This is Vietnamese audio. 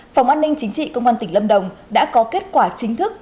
phòng an ninh chính trị công an tỉnh lâm đồng đã có kết quả chính thức